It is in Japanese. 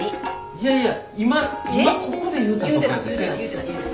いやいや今今ここで言うたとこやで。